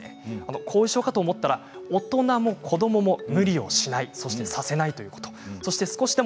後遺症かもと思ったら大人も子どもも無理をしないさせないということです。